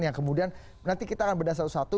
yang kemudian nanti kita akan bedah satu satu